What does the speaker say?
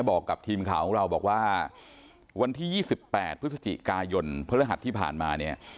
บอกกับทีมข่าวของเราบอกว่าวันที่๒๘พฤศจิกายนพฤหัสที่ผ่านมาเนี่ย